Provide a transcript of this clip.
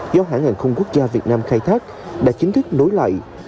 do hãng hàng không quốc gia việt nam khai thác đã chính thức nối lại